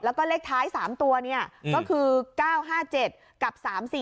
แล้วก็เลขท้าย๓ตัวก็คือ๙๕๗กับ๓๔